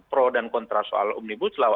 pro dan kontra soal omnibus law